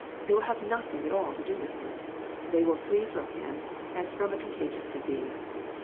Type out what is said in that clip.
They will have nothing at ail to do with him. They will flee from him as from a contagious disease."